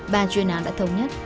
bang chuyên án đã thống nhất